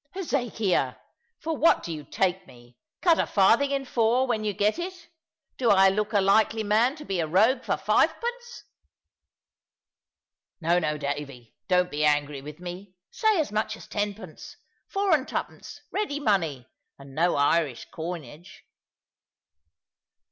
"Hezekiah, for what do you take me? Cut a farthing in four, when you get it. Do I look a likely man to be a rogue for fivepence?" "No, no, Davy; don't be angry with me. Say as much as tenpence. Four and twopence, ready money; and no Irish coinage."